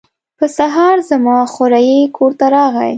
په سهار زما خوریی کور ته راغی.